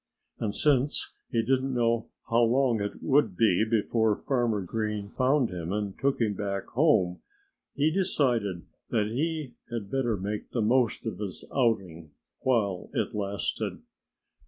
And since he didn't know how long it would be before Farmer Green found him and took him back home, he decided that he had better make the most of his outing while it lasted.